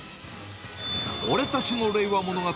俺たちの令和物語。